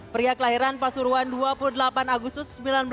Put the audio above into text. pria kelahiran pasuruan dua puluh delapan agustus seribu sembilan ratus empat puluh